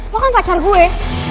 lo kan pacar gue